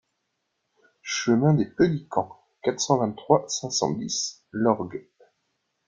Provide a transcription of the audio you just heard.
Chemin des Peliquant, quatre-vingt-trois, cinq cent dix Lorgues